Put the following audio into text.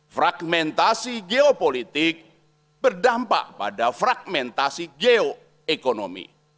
fragmentasi geopolitik berdampak pada fragmentasi geoekonomi